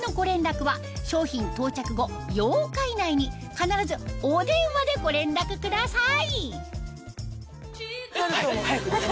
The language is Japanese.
必ずお電話でご連絡ください